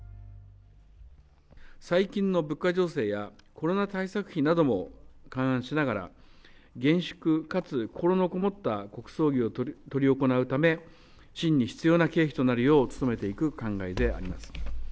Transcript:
最近の物価情勢やコロナ対策費なども勘案しながら、厳粛かつ、心のこもった国葬儀を執り行うため、真に必要な経費となるよう努めていく考えであります。